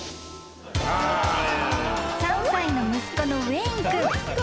［３歳の息子のウェイン君］